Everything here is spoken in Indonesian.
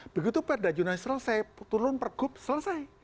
begitu perda jonasi selesai turun pergub selesai